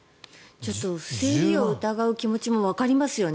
ちょっと不正利用を疑う気持ちもわかりますよね。